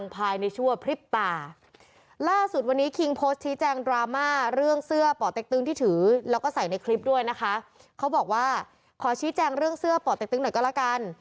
พี่แจ้งเรื่องเสื้อป่อเต็กตึงหน่อยก็แล้วกัน